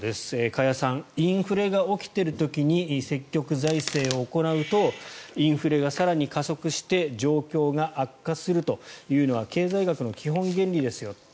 加谷さんインフレが起きている時に積極財政を行うとインフレが更に加速して状況が悪化するというのは経済学の基本原理ですよと。